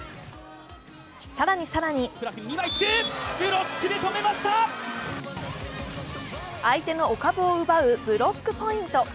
更に更に相手のお株を奪うブロックポイント。